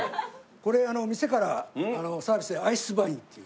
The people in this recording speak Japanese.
これ店からサービスでアイスヴァインっていう。